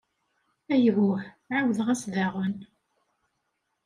Ayhuh, ɛawdeɣ-as daɣen!